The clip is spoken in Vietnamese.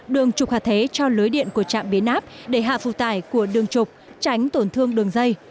đường trục hạ thế cho lưới điện của trạm biến áp để hạ phụ tải của đường trục tránh tổn thương đường dây